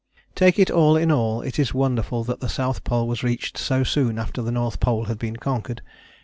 _ Take it all in all it is wonderful that the South Pole was reached so soon after the North Pole had been conquered.